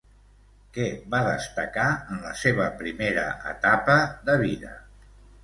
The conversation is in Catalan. Què va destacar en la seva primera etapa de vida?